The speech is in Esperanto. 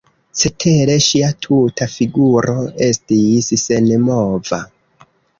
Cetere ŝia tuta figuro estis senmova.